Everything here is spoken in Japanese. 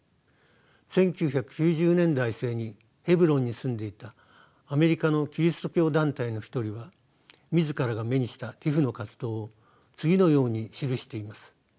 １９９０年代末にヘブロンに住んでいたアメリカのキリスト教団体の一人は自らが目にしたＴＩＰＨの活動を次のように記しています。